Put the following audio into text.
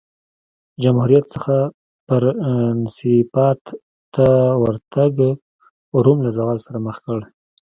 جمهوریت څخه پرنسیپات ته ورتګ روم له زوال سره مخ کړ